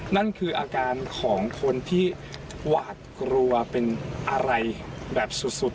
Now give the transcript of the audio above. นั่นคืออาการของคนที่หวาดกลัวเป็นอะไรแบบสุด